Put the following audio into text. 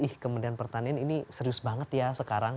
ih kementerian pertanian ini serius banget ya sekarang